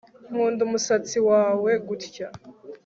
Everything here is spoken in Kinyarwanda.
nkunda umusatsi wawe gutya